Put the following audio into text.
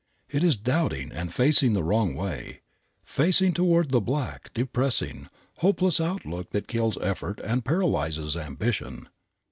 It is doubting and facing the wrong way, facing toward the black, depressing, hopeless outlook that kills effort and paralyzes ambition.